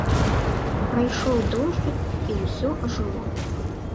Прайшоў дожджык, і ўсё ажыло.